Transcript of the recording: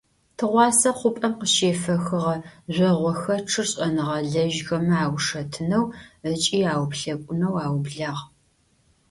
Тыгъуасэ хъупӏэм къыщефэхыгъэ жъогъохэчъыр шӏэныгъэлэжьхэмэ аушэтынэу ыкӏи ауплъэкӏунэу аублагъ.